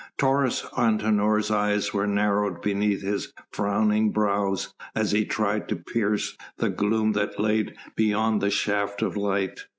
Taurus Antinor's eyes were narrowed beneath his frowning brows as he tried to pierce the gloom that lay beyond that shaft of light.